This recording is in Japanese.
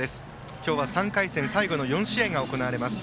今日は３回戦最後の４試合が行われます。